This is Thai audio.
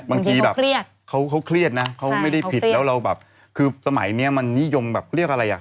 บางทีแบบเครียดเขาเครียดนะเขาไม่ได้ผิดแล้วเราแบบคือสมัยนี้มันนิยมแบบเรียกอะไรอ่ะ